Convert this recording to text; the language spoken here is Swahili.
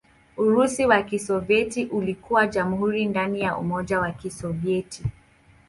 Urusi wa Kisovyeti ulikuwa jamhuri ndani ya Umoja wa Kisovyeti.